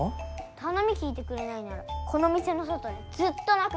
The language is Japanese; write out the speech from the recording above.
頼み聞いてくれないならこの店の外でずっと泣く。